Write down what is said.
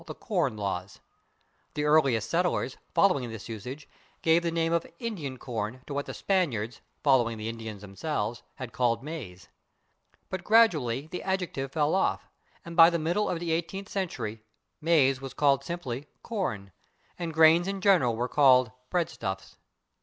the /Corn/ Laws. The earliest settlers, following this usage, gave the name of /Indian corn/ to what the Spaniards, following the Indians themselves, had called /maíz/. But gradually the adjective fell off, and by the middle of the eighteenth century /maize/ was called simply /corn/, and grains in general were called /breadstuffs